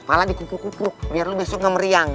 malah dikukukukuk biar lu besok ga meriang